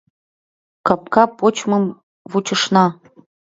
Капка почмым вучышна.